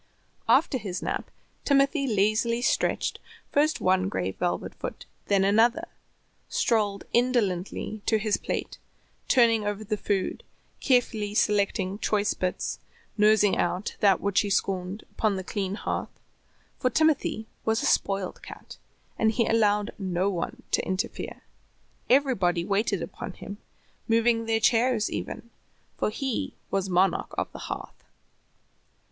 After his nap Timothy lazily stretched first one gray velvet foot, then another, strolled indolently to his plate, turning over the food, carefully selecting choice bits, nosing out that which he scorned upon the clean hearth, for Timothy was a spoiled cat, and he allowed no one to interfere. Everybody waited upon him, moving their chairs even, for he was monarch of the hearth.